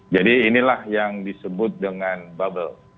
jadi inilah yang disebut dengan bubble